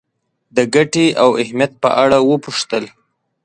د ګټې او اهمیت په اړه وپوښتل.